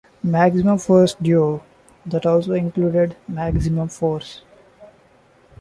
Maximum Force duo" that also included "Maximum Force".